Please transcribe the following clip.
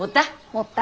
持った。